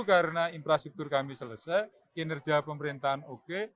karena infrastruktur kami selesai kinerja pemerintahan oke